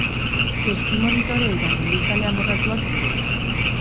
Eski monitore eta mendizale amorratuak ziren.